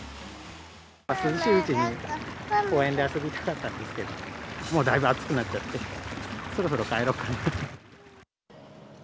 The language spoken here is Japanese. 涼しいうちに公園で遊びたかったんですけど、もうだいぶ暑くなっちゃって、そろそろ帰ろうかなって。